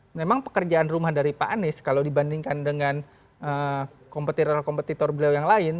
memang pekerjaan rumah dari pak anies kalau dibandingkan dengan kompetitor kompetitor beliau yang lain